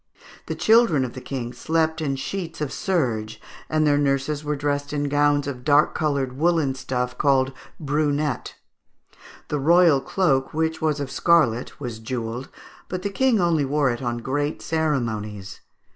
] The children of the King slept in sheets of serge, and their nurses were dressed in gowns of dark coloured woollen stuff, called brunette. The royal cloak, which was of scarlet, was jewelled, but the King only wore it on great ceremonies.